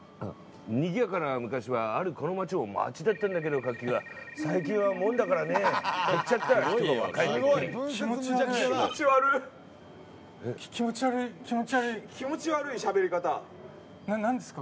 にぎやかな昔はあるこの町も町だったんだけど活気が最近はもんだからね減っちゃった人が若いめっきり気持ち悪い気持ち悪っ気持ち悪い気持ち悪い気持ち悪いしゃべり方何ですか？